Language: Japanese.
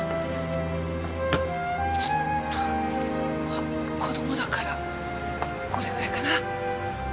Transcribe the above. あっ子供だからこれぐらいかな。